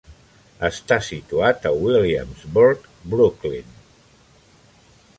Està situat a Williamsburg, Brooklyn.